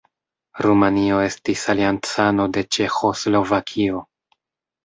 Rumanio estis aliancano de Ĉeĥoslovakio.